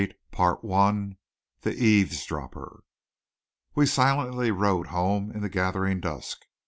Chapter 8 THE EAVESDROPPER We silently rode home in the gathering dusk.